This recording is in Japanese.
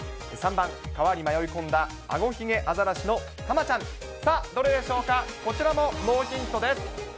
３番、川に迷い込んだアゴヒゲアザラシのタマちゃん、さあ、どれでしょうか、こちらもノーヒントです。